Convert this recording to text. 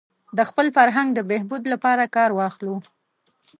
د خپل فرهنګ د بهبود لپاره کار واخلو.